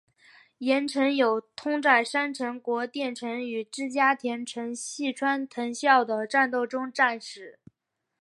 岩成友通在山城国淀城与织田家臣细川藤孝的战斗中战死。